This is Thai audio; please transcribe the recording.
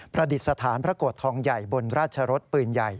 ประดิษฐานพระโกรธทองใหญ่บนราชรสปืนใหญ่